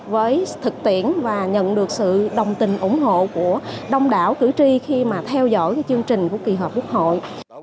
với thực tiễn và nhận được sự đồng tình ủng hộ của đông đảo cử tri khi mà theo dõi chương trình của kỳ họp quốc hội